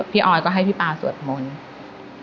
ออยก็ให้พี่ป๊าสวดมนต์